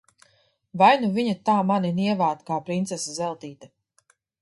Vai nu viņa tā mani nievātu, kā princese Zeltīte!